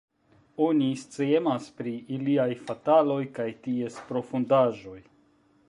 Oni sciemas pri iliaj fataloj kaj ties profundaĵoj.